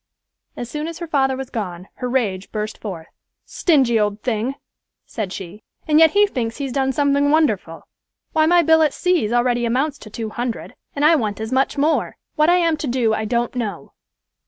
As soon as her father was gone, her rage burst forth. "Stingy old thing," said she, "and yet he thinks he's done something wonderful. Why, my bill at C——'s already amounts to two hundred, and I want as much more. What I am to do, I don't know."